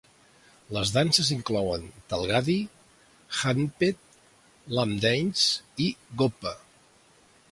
Les danses inclouen "Talgadi", "Hanpet", Lamp Dance i "Gopha".